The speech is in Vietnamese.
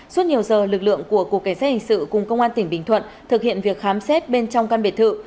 suốt nhiều giờ lực lượng của cục cảnh sát hình sự cùng công an tỉnh bình thuận thực hiện việc khám xét bên trong căn biệt thự